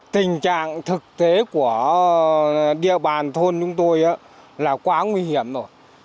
tình trạng thực tế của địa bàn thôn chúng tôi là quá nguy hiểm rồi